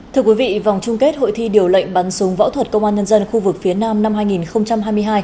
thưa quý vị vòng chung kết hội thi điều lệnh bắn súng võ thuật công an nhân dân khu vực phía nam năm hai nghìn hai mươi hai